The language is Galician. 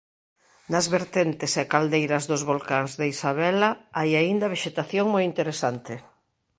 Nas vertentes e caldeiras dos volcáns de Isabela hai aínda vexetación moi interesante.